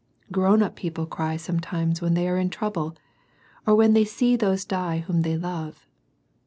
Grown up people cry sometimes when they are in trouble, or when they see those die whom they love.